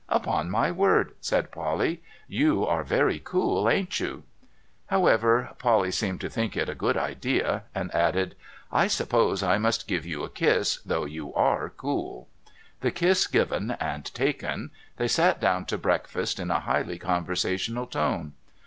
' Upon my word 1 ' said Polly. ' You are very cool, ain't you ?' However, Polly seemed to think it a good idea, and added :' I suppose I must give you a kiss, though you are cool.' The kiss given and taken, they sat down to breakfast in a highly conversational tone.